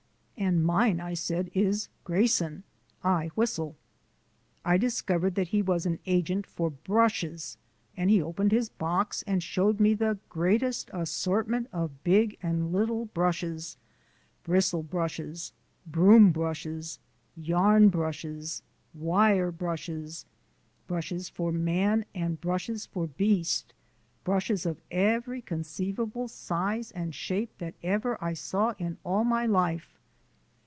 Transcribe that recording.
"And mine," I said, "is Grayson. I whistle." I discovered that he was an agent for brushes, and he opened his box and showed me the greatest assortment of big and little brushes: bristle brushes, broom brushes, yarn brushes, wire brushes, brushes for man and brushes for beast, brushes of every conceivable size and shape that ever I saw in all my life.